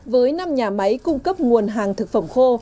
với năm nhà máy cung cấp nguồn hàng thực phẩm khô